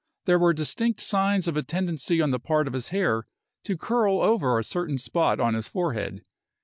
There were distinct signs of a tendency on the part of his hair to curl over a certain spot on his forehead.